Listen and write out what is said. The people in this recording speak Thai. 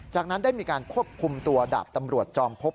จากนั้นได้มีการควบคุมตัวดาบตำรวจจอมพบ